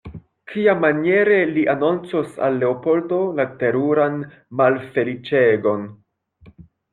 Kiamaniere li anoncos al Leopoldo la teruran malfeliĉegon?